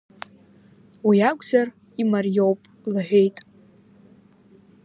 Уи акәзар, имариоуп, — лҳәеит.